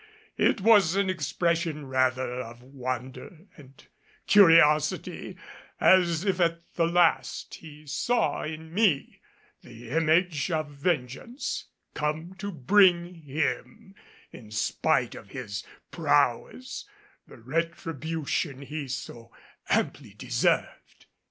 It was an expression rather of wonder and curiosity as if at the last he saw in me the image of vengeance come to bring him, in spite of his prowess, the retribution he so amply deserved.